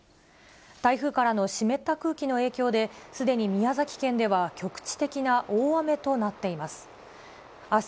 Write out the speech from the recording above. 台風からの湿った空気の影響で、すでに宮崎県では局地的な大雨となっています。